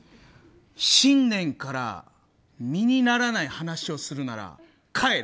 新年から身にならない話をするなら帰れ！